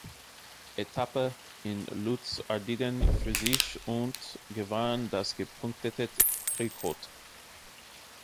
Etappe in Luz-Ardiden für sich und gewann das Gepunktete Trikot.